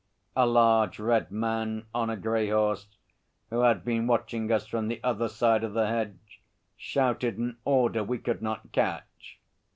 A large red man on a grey horse who had been watching us from the other side of the hedge shouted an order we could not catch.